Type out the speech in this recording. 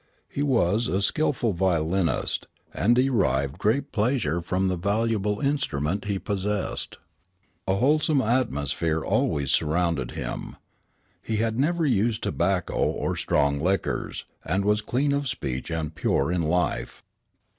He was a skilful violinist, and derived great pleasure from the valuable instrument he possessed. A wholesome atmosphere always surrounded him. He had never used tobacco or strong liquors, and was clean of speech and pure in life.